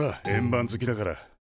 円盤好きだから。